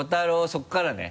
そこからね。